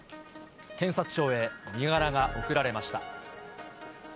検察庁へ身柄が送られました。